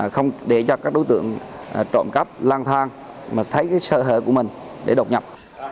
không để cho các đối tượng trộm cắp lang thang mà thấy cái sơ hữu của mình để đột nhập